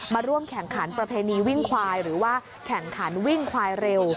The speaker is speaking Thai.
มาร่วมแข่งขันประเพณีวิ่งควายหรือว่าแข่งขันวิ่งควายเร็ว